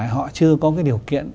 họ chưa có cái điều kiện